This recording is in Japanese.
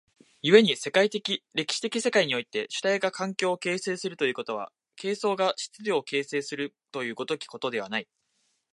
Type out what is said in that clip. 故に歴史的世界において主体が環境を形成するということは、形相が質料を形成するという如きことではない。